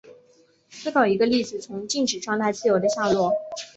思考一个粒子从静止状态自由地下落。